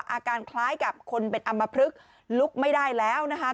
อาการคล้ายกับคนเป็นอำมพลึกไม่ได้แล้วนะคะ